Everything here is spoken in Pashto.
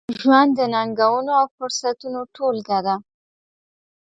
ژوند د ننګونو، او فرصتونو ټولګه ده.